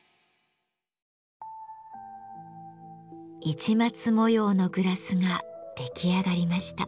市松模様のグラスが出来上がりました。